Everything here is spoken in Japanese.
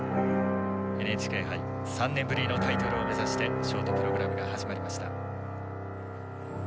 ＮＨＫ杯３年ぶりのタイトルを目指してショートプログラムが始まりました。